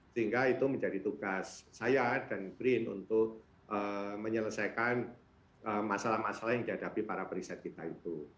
sehingga itu menjadi tugas saya dan brin untuk menyelesaikan masalah masalah yang dihadapi para periset kita itu